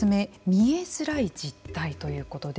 見えづらい実態ということで